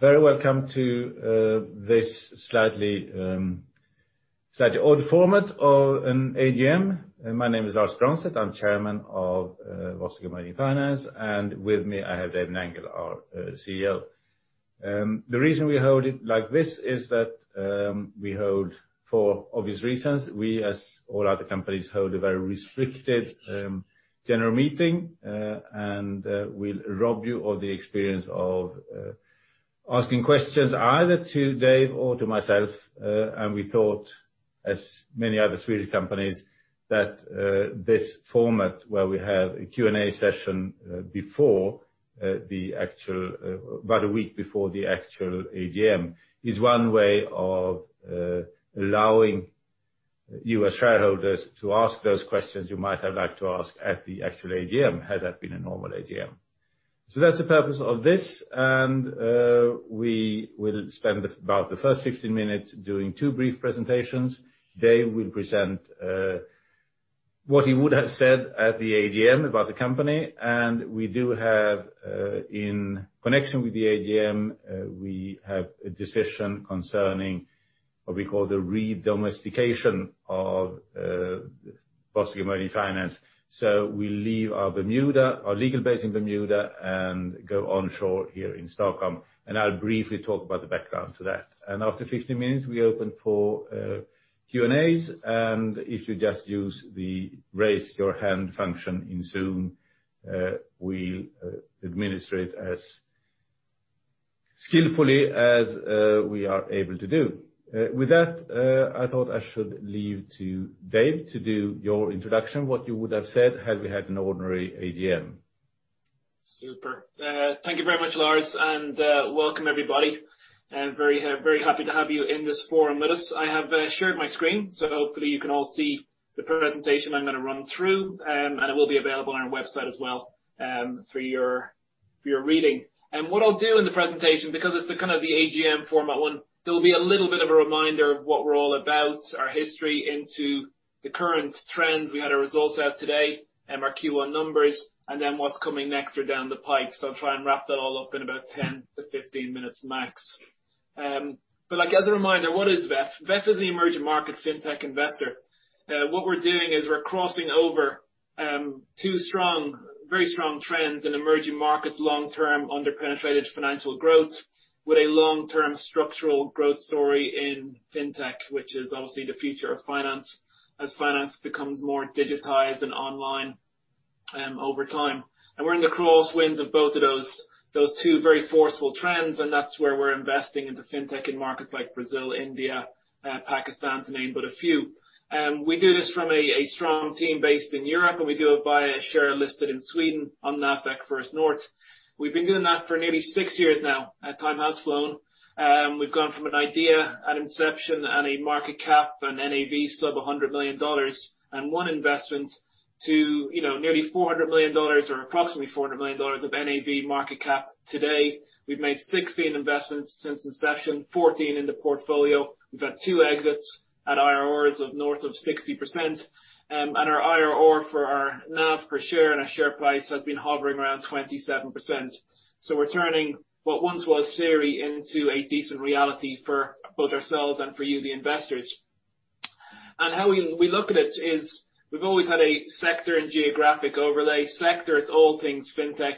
Very welcome to this slightly odd format of an AGM. My name is Lars Grönstedt. I'm Chairman of Vostok Emerging Finance, and with me I have Dave Nangle, our CEO. The reason we hold it like this is that, for obvious reasons, as all other companies, we hold a very restricted general meeting, and we'll rob you of the experience of asking questions either to Dave or to myself, and we thought, as many other Swedish companies, that this format, where we have a Q&A session about a week before the actual AGM, is one way of allowing you, as shareholders, to ask those questions you might have liked to ask at the actual AGM, had that been a normal AGM. That's the purpose of this, and we will spend about the first 15 minutes doing two brief presentations. Dave will present what he would have said at the AGM about the company, and we do have, in connection with the AGM, we have a decision concerning what we call the redomestication of Vostok Emerging Finance. So we leave our Bermuda, our legal base in Bermuda, and go onshore here in Stockholm. And I'll briefly talk about the background to that. And after 15 minutes, we open for Q&As, and if you just use the raise your hand function in Zoom, we'll administer it as skillfully as we are able to do. With that, I thought I should leave to Dave to do your introduction, what you would have said had we had an ordinary AGM. Super. Thank you very much, Lars, and welcome, everybody. I'm very happy to have you in this forum with us. I have shared my screen, so hopefully you can all see the presentation I'm going to run through, and it will be available on our website as well for your reading, and what I'll do in the presentation, because it's kind of the AGM format one, there'll be a little bit of a reminder of what we're all about, our history into the current trends. We had our results out today, our Q1 numbers, and then what's coming next or down the pipe, so I'll try and wrap that all up in about 10-15 minutes max, but as a reminder, what is VEF? VEF is the Emerging Market FinTech Investor. What we're doing is we're crossing over two very strong trends in emerging markets, long-term underpenetrated financial growth, with a long-term structural growth story in FinTech, which is obviously the future of finance as finance becomes more digitized and online over time, and we're in the crosswinds of both of those two very forceful trends, and that's where we're investing into FinTech in markets like Brazil, India, Pakistan, to name but a few. We do this from a strong team based in Europe, and we do it via a share listed in Sweden on Nasdaq First North. We've been doing that for nearly six years now. Time has flown. We've gone from an idea, an inception, and a market cap, an NAV sub $100 million, and one investment to nearly $400 million, or approximately $400 million of NAV market cap today. We've made 16 investments since inception, 14 in the portfolio. We've had two exits at IRRs of north of 60%, and our IRR for our NAV per share and our share price has been hovering around 27%, so we're turning what once was theory into a decent reality for both ourselves and for you, the investors, and how we look at it is we've always had a sector and geographic overlay. Sector, it's all things FinTech,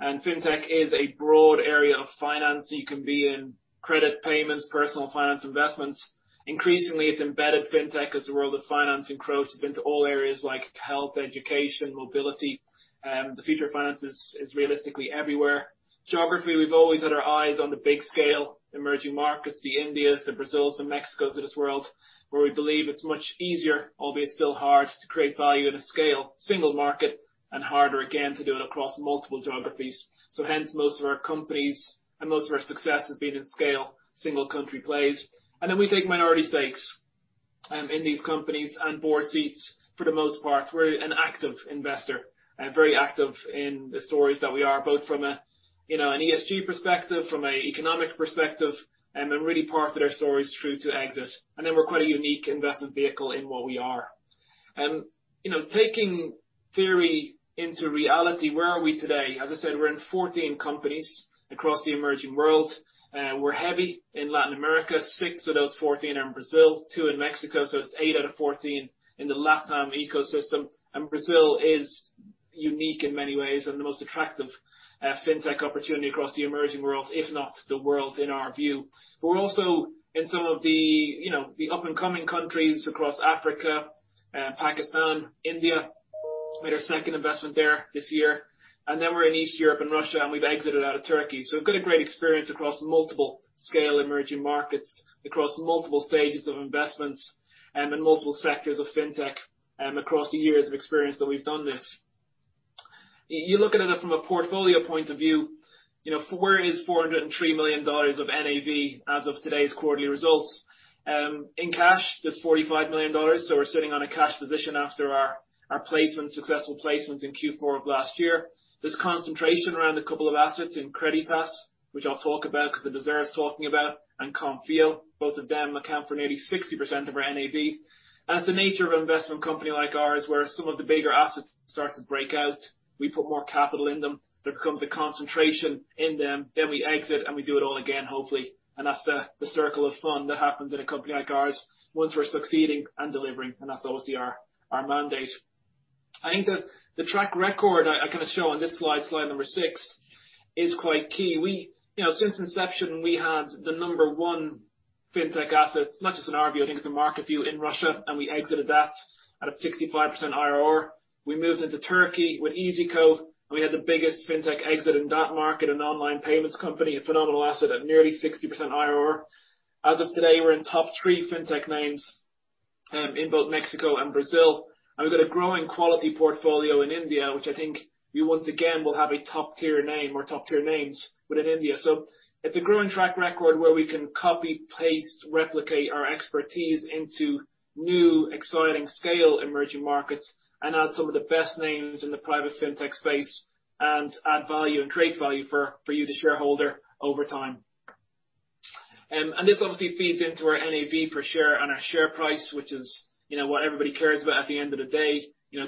and FinTech is a broad area of finance. You can be in credit payments, personal finance investments. Increasingly, it's Embedded FinTech as the world of finance encroaches into all areas like health, education, mobility, and the future of finance is realistically everywhere. Geography, we've always had our eyes on the big scale emerging markets, the Indias, the Brazils, the Mexicos of this world, where we believe it's much easier, albeit still hard, to create value at a scale, single market, and harder again to do it across multiple geographies. Hence, most of our companies and most of our success has been in scale, single country plays. And then we take minority stakes in these companies and board seats for the most part. We're an active investor, very active in the stories that we are, both from an ESG perspective, from an economic perspective, and really part of their stories through to exit. And then we're quite a unique investment vehicle in what we are. Taking theory into reality, where are we today? As I said, we're in 14 companies across the emerging world. We're heavy in Latin America, six of those 14 are in Brazil, two in Mexico, so it's eight out of 14 in the LATAM ecosystem, and Brazil is unique in many ways and the most attractive FinTech opportunity across the emerging world, if not the world in our view, but we're also in some of the up-and-coming countries across Africa, Pakistan, India. We had our second investment there this year, and then we're in East Europe and Russia, and we've exited out of Turkey. So we've got a great experience across multiple scale emerging markets, across multiple stages of investments, and multiple sectors of FinTech across the years of experience that we've done this. You look at it from a portfolio point of view, where is $403 million of NAV as of today's quarterly results? In cash, there's $45 million, so we're sitting on a cash position after our successful placements in Q4 of last year. There's concentration around a couple of assets in Creditas, which I'll talk about because the directors are talking about, and Konfío, both of them account for nearly 60% of our NAV. It's the nature of an investment company like ours where some of the bigger assets start to break out. We put more capital in them. There becomes a concentration in them. Then we exit, and we do it all again, hopefully. That's the circle of fun that happens in a company like ours once we're succeeding and delivering, and that's obviously our mandate. I think the track record I can show on this slide, slide number six, is quite key. Since inception, we had the number one FinTech asset, not just in our view, I think it's a market view in Russia, and we exited that at a 65% IRR. We moved into Turkey with iyzico, and we had the biggest FinTech exit in that market, an online payments company, a phenomenal asset at nearly 60% IRR. As of today, we're in top three FinTech names in both Mexico and Brazil. And we've got a growing quality portfolio in India, which I think you once again will have a top-tier name or top-tier names within India. So it's a growing track record where we can copy, paste, replicate our expertise into new, exciting scale emerging markets and add some of the best names in the private FinTech space and add value and create value for you, the shareholder, over time. And this obviously feeds into our NAV per share and our share price, which is what everybody cares about at the end of the day,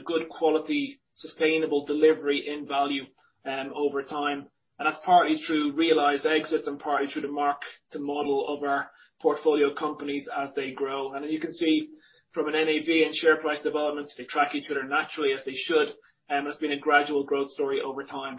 good quality, sustainable delivery in value over time. And that's partly through realized exits and partly through the mark to model of our portfolio companies as they grow. And then you can see from an NAV and share price development, they track each other naturally as they should, and it's been a gradual growth story over time.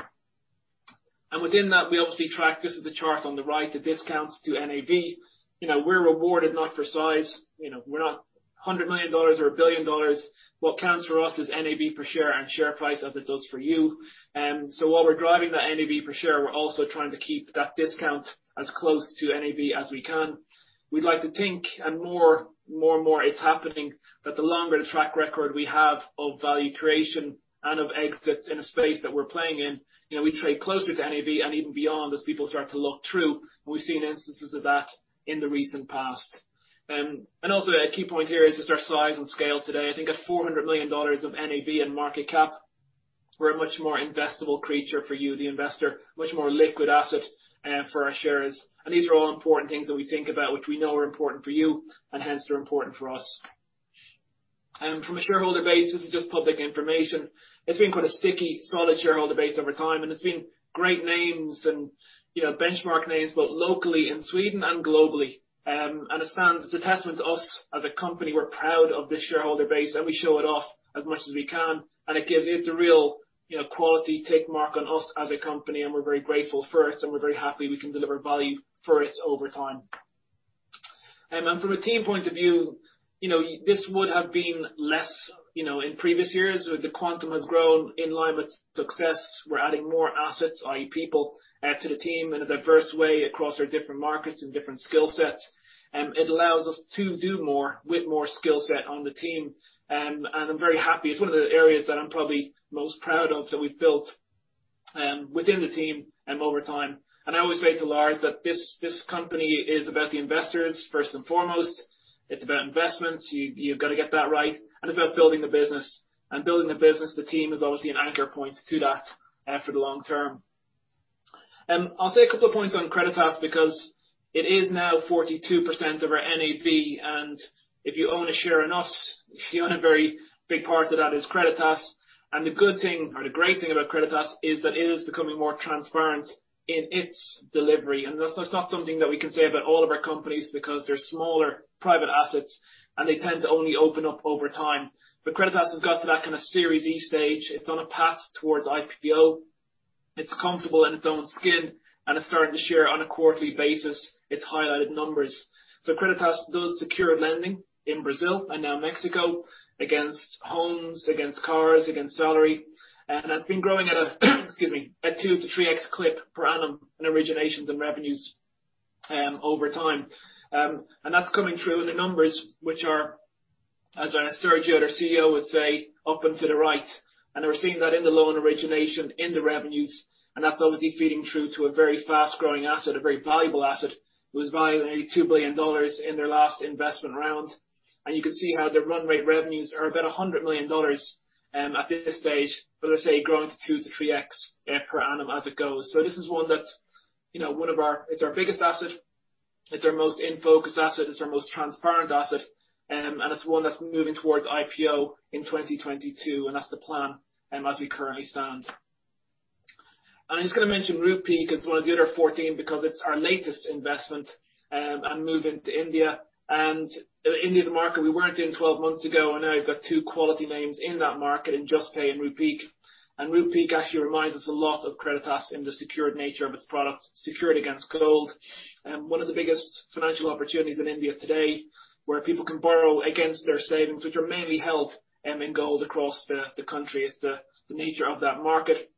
And within that, we obviously track, just as the chart on the right, the discounts to NAV. We're rewarded not for size. We're not $100 million or a billion dollars. What counts for us is NAV per share and share price as it does for you. So while we're driving that NAV per share, we're also trying to keep that discount as close to NAV as we can. We'd like to think, and more and more it's happening, that the longer the track record we have of value creation and of exits in a space that we're playing in, we trade closer to NAV and even beyond as people start to look through, and we've seen instances of that in the recent past. And also, a key point here is just our size and scale today. I think at $400 million of NAV and market cap, we're a much more investable creature for you, the investor, much more liquid asset for our shares. And these are all important things that we think about, which we know are important for you and hence are important for us. And from a shareholder base, this is just public information. It's been quite a sticky, solid shareholder base over time, and it's been great names and benchmark names, both locally in Sweden and globally. It stands as a testament to us as a company. We're proud of this shareholder base, and we show it off as much as we can. It's a real quality tick mark on us as a company, and we're very grateful for it, and we're very happy we can deliver value for it over time. From a team point of view, this would have been less in previous years. The quantum has grown in line with success. We're adding more assets, i.e., people, to the team in a diverse way across our different markets and different skill sets. It allows us to do more with more skill set on the team. I'm very happy. It's one of the areas that I'm probably most proud of that we've built within the team over time. And I always say to Lars that this company is about the investors first and foremost. It's about investments. You've got to get that right. And it's about building the business. And building the business, the team is obviously an anchor point to that for the long term. And I'll say a couple of points on Creditas because it is now 42% of our NAV, and if you own a share in us, a very big part of that is Creditas. And the good thing or the great thing about Creditas is that it is becoming more transparent in its delivery. And that's not something that we can say about all of our companies because they're smaller private assets, and they tend to only open up over time. But Creditas has got to that kind of series E stage. It's on a path towards IPO. It's comfortable in its own skin, and it's starting to share on a quarterly basis its highlighted numbers. So Creditas does secure lending in Brazil and now Mexico against homes, against cars, against salary. And it's been growing at a, excuse me, at two to three X clip per annum in originations and revenues over time. And that's coming true in the numbers, which are, as our CEO would say, up and to the right. And we're seeing that in the loan origination, in the revenues, and that's obviously feeding through to a very fast-growing asset, a very valuable asset. It was valued at $2 billion in their last investment round. And you can see how the run rate revenues are about $100 million at this stage, but let's say growing to two to three X per annum as it goes. So this is one that's one of our it's our biggest asset. It's our most in-focus asset. It's our most transparent asset. And it's one that's moving towards IPO in 2022, and that's the plan as we currently stand. And I'm just going to mention Rupeek because it's one of the other 14 because it's our latest investment and moving to India. And India is a market we weren't in 12 months ago, and now you've got two quality names in that market in Juspay and Rupeek. And Rupeek actually reminds us a lot of Creditas in the secured nature of its products, secured against gold. And one of the biggest financial opportunities in India today where people can borrow against their savings, which are mainly held in gold across the country, is the nature of that market.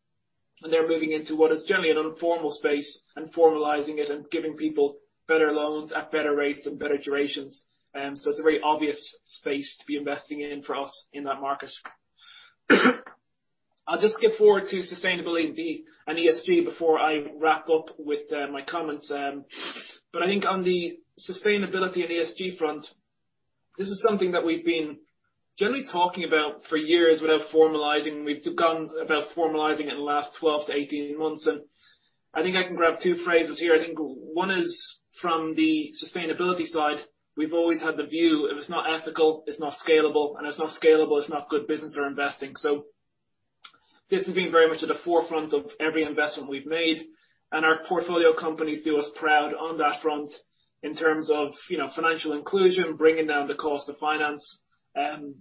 And they're moving into what is generally an informal space and formalizing it and giving people better loans at better rates and better durations. And so it's a very obvious space to be investing in for us in that market. I'll just skip forward to sustainability and ESG before I wrap up with my comments. But I think on the sustainability and ESG front, this is something that we've been generally talking about for years without formalizing. We've gone about formalizing it in the last 12-18 months. And I think I can grab two phrases here. I think one is from the sustainability side. We've always had the view of it's not ethical, it's not scalable, and if it's not scalable, it's not good business or investing. So this has been very much at the forefront of every investment we've made. And our portfolio companies do us proud on that front in terms of financial inclusion, bringing down the cost of finance, and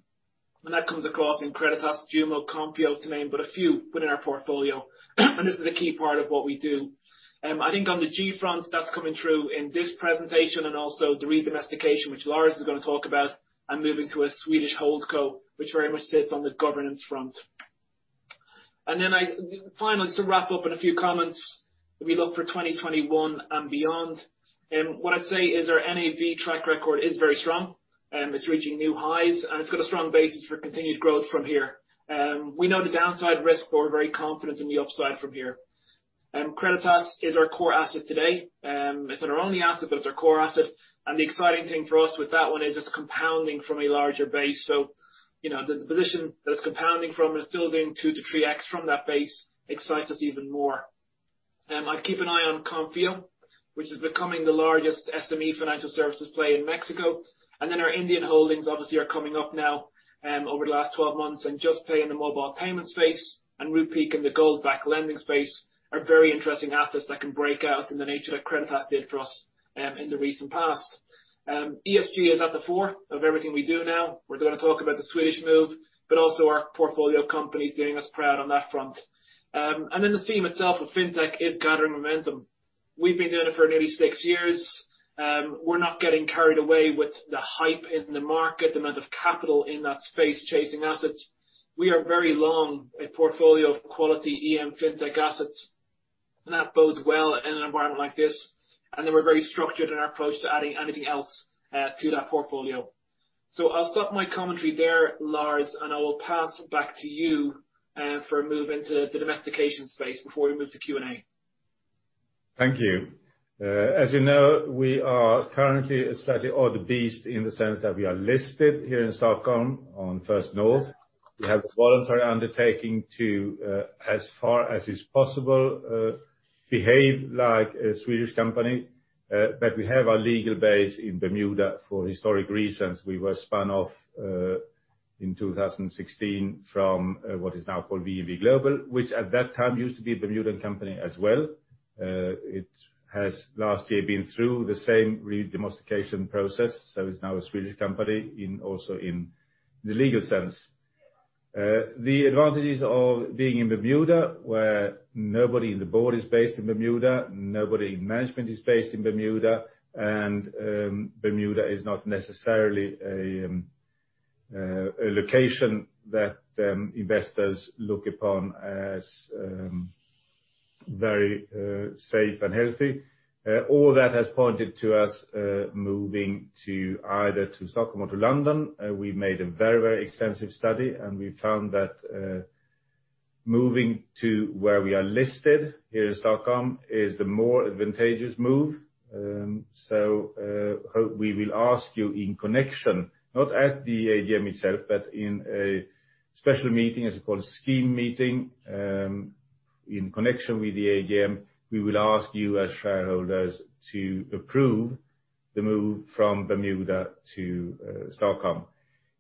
that comes across in Creditas, Jumo, Konfío to name but a few within our portfolio, and this is a key part of what we do, and I think on the G front, that's coming true in this presentation and also the redomestication, which Lars is going to talk about, and moving to a Swedish hold co, which very much sits on the governance front, and then finally, to wrap up in a few comments, we look for 2021 and beyond. And what I'd say is our NAV track record is very strong. It's reaching new highs, and it's got a strong basis for continued growth from here. We know the downside risk, but we're very confident in the upside from here. And Creditas is our core asset today. It's not our only asset, but it's our core asset. And the exciting thing for us with that one is it's compounding from a larger base. So the position that it's compounding from and it's building two to three x from that base excites us even more. I'd keep an eye on Konfío, which is becoming the largest SME financial services play in Mexico. And then our Indian holdings obviously are coming up now over the last 12 months. In Juspay in the mobile payment space and Rupeek in the gold-backed lending space are very interesting assets that can break out in the nature that Creditas did for us in the recent past. ESG is at the fore of everything we do now. We're going to talk about the Swedish move, but also our portfolio companies doing us proud on that front. And then the theme itself of FinTech is gathering momentum. We've been doing it for nearly six years. We're not getting carried away with the hype in the market, the amount of capital in that space chasing assets. We are very long a portfolio of quality EM FinTech assets, and that bodes well in an environment like this. And then we're very structured in our approach to adding anything else to that portfolio. So I'll stop my commentary there, Lars, and I will pass back to you for a move into the redomestication space before we move to Q&A. Thank you. As you know, we are currently a slightly odd beast in the sense that we are listed here in Stockholm on First North. We have a voluntary undertaking to, as far as is possible, behave like a Swedish company. But we have our legal base in Bermuda for historic reasons. We were spun off in 2016 from what is now called VNV Global, which at that time used to be a Bermudan company as well. It has last year been through the same redomestication process, so it's now a Swedish company also in the legal sense. The advantages of being in Bermuda where nobody in the board is based in Bermuda, nobody in management is based in Bermuda, and Bermuda is not necessarily a location that investors look upon as very safe and healthy. All that has pointed to us moving either to Stockholm or to London. We made a very, very extensive study, and we found that moving to where we are listed here in Stockholm is the more advantageous move. So we will ask you in connection, not at the AGM itself, but in a special meeting, as we call a scheme meeting in connection with the AGM, we will ask you as shareholders to approve the move from Bermuda to Stockholm.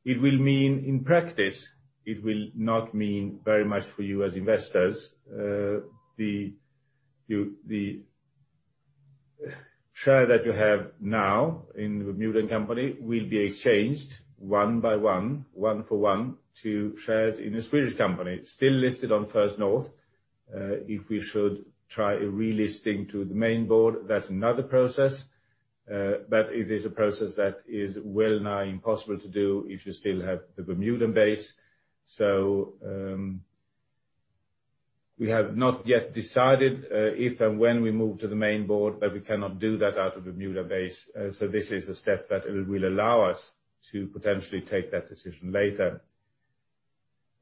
It will mean in practice, it will not mean very much for you as investors. The share that you have now in the Bermudan company will be exchanged one by one, one for one to shares in a Swedish company still listed on First North. If we should try a relisting to the Main Board, that's another process, but it is a process that is well-nigh impossible to do if you still have the Bermudan base, so we have not yet decided if and when we move to the Main Board, but we cannot do that out of Bermuda base, so this is a step that will allow us to potentially take that decision later.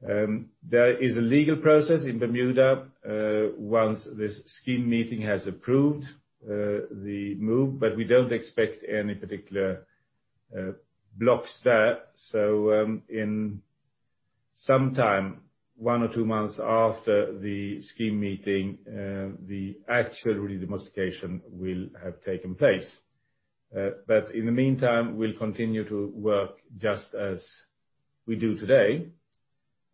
There is a legal process in Bermuda once this scheme meeting has approved the move, but we don't expect any particular blocks there, so in some time, one or two months after the scheme meeting, the actual redomestication will have taken place. But in the meantime, we'll continue to work just as we do today.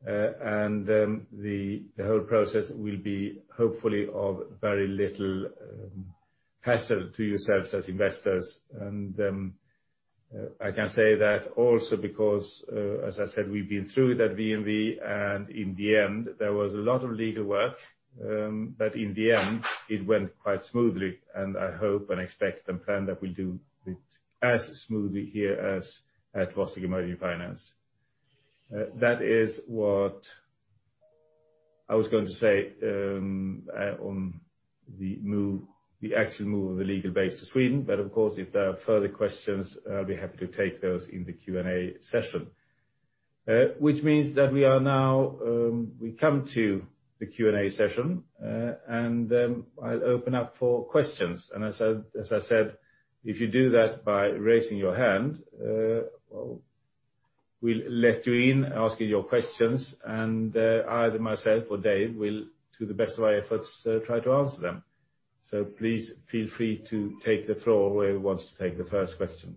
And the whole process will be hopefully of very little hassle to yourselves as investors. And I can say that also because, as I said, we've been through that VNV, and in the end, there was a lot of legal work. But in the end, it went quite smoothly, and I hope and expect and plan that we'll do it as smoothly here as at Vostok Emerging Finance. That is what I was going to say on the actual move of the legal base to Sweden. But of course, if there are further questions, I'll be happy to take those in the Q&A session, which means that we now come to the Q&A session, and I'll open up for questions. As I said, if you do that by raising your hand, we'll let you in, ask you your questions, and either myself or Dave will, to the best of our efforts, try to answer them. So please feel free to take the floor where you want to take the first question.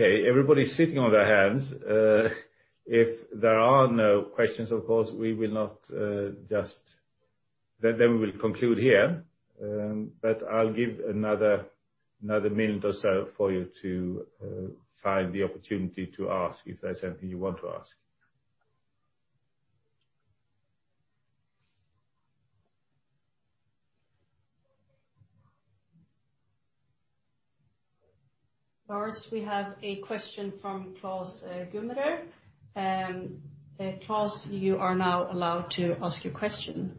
Okay. Everybody's sitting on their hands. If there are no questions, of course, we will not just then we will conclude here. But I'll give another minute or so for you to find the opportunity to ask if there's anything you want to ask. Lars, we have a question from Klaus Gummerer. Klaus, you are now allowed to ask your question.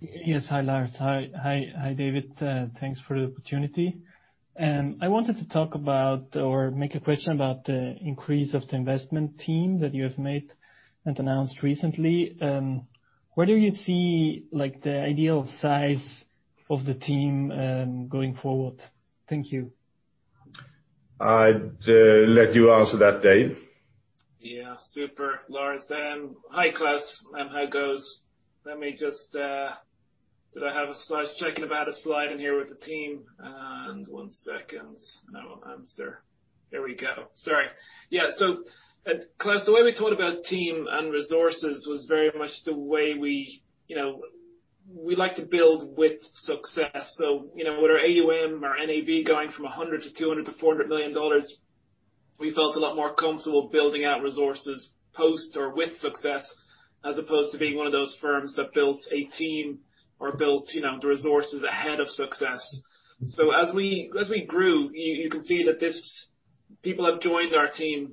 Yes. Hi, Lars. Hi, David. Thanks for the opportunity. I wanted to talk about or make a question about the increase of the investment team that you have made and announced recently. Where do you see the ideal size of the team going forward? Thank you. I'd let you answer that, Dave. Yeah. Super, Lars. Hi, Klaus, and how goes? Let me just. Did I have a slide in here with the team? And one second. Now I'll answer. There we go. Sorry. Yeah, so Klaus, the way we talked about team and resources was very much the way we like to build with success, so with our AUM or NAV going from $100-$200-$400 million, we felt a lot more comfortable building out resources post or with success as opposed to being one of those firms that built a team or built the resources ahead of success. So as we grew, you can see that people have joined our team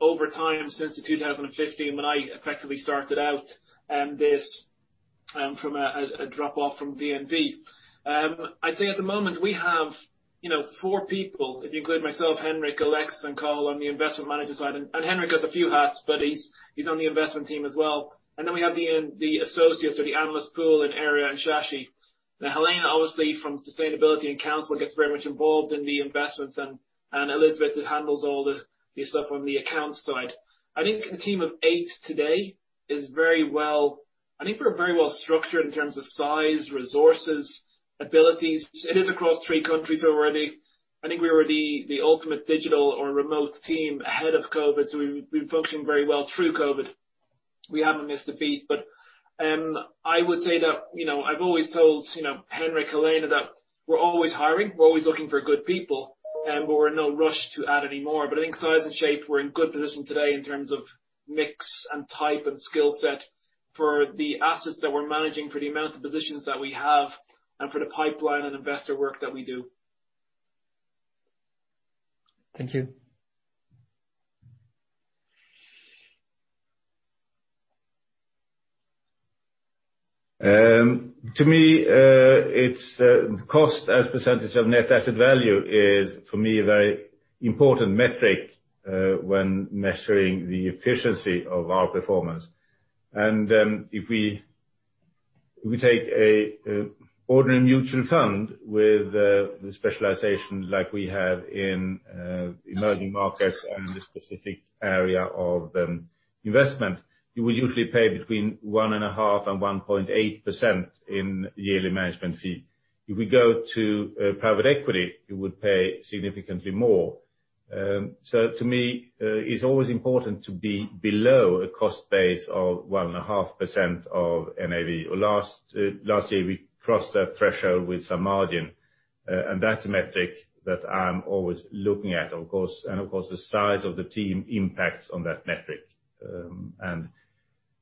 over time since 2015 when I effectively started this out from a spin-off from VNV. I'd say at the moment we have four people, if you include myself, Henrik, Alexis, and Karel on the investment manager side. And Henrik has a few hats, but he's on the investment team as well. And then we have the associates or the analyst pool, Arieh and Shashi. Now, Helena, obviously, from sustainability and counsel gets very much involved in the investments, and Elisabet handles all the stuff on the accounts side. I think the team of eight today is very well structured in terms of size, resources, abilities. It is across three countries already. I think we were the ultimate digital or remote team ahead of COVID. We've been functioning very well through COVID. We haven't missed a beat. But I would say that I've always told Henrik, Helena, that we're always hiring. We're always looking for good people, and we're in no rush to add any more. But I think size and shape, we're in good position today in terms of mix and type and skill set for the assets that we're managing for the amount of positions that we have and for the pipeline and investor work that we do. Thank you. To me, the cost as percentage of net asset value is, for me, a very important metric when measuring the efficiency of our performance. And if we take an ordinary mutual fund with specialization like we have in emerging markets and the specific area of investment, you would usually pay between 1.5% and 1.8% in yearly management fee. If we go to private equity, you would pay significantly more. So to me, it's always important to be below a cost base of 1.5% of NAV. Last year, we crossed that threshold with some margin. And that's a metric that I'm always looking at, of course. And of course, the size of the team impacts on that metric. And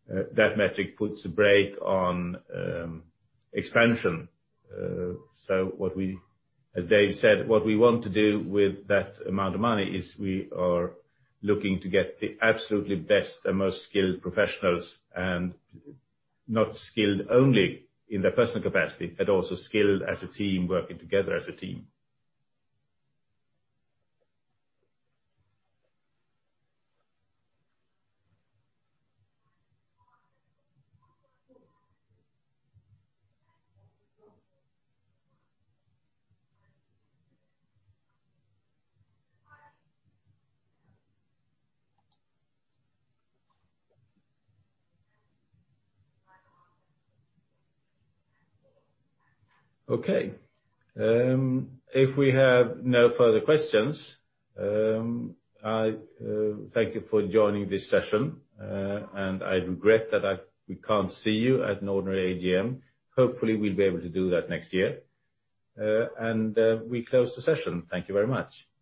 that metric puts a brake on expansion. So as Dave said, what we want to do with that amount of money is we are looking to get the absolutely best and most skilled professionals and not skilled only in their personal capacity, but also skilled as a team, working together as a team. Okay. If we have no further questions, I thank you for joining this session. And I regret that we can't see you at an ordinary AGM. Hopefully, we'll be able to do that next year. We close the session. Thank you very much. Thank you.